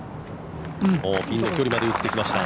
ピンの距離まで打ってきました。